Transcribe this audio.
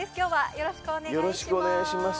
よろしくお願いします。